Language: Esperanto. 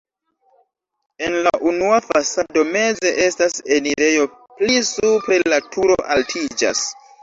En la unua fasado meze estas enirejo, pli supre la turo altiĝas.